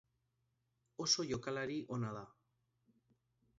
Oso jokalari ona da.